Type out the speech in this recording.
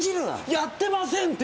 やってませんて！